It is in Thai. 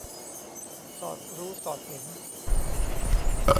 สอดรู้สอดเห็น